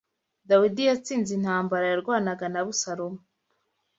Dawidi yatsinze intambara yarwanaga na Abusalomu